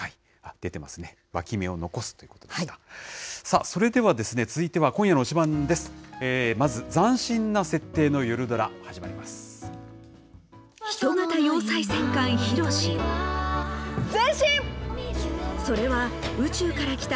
出てますね、脇芽を残すということでした。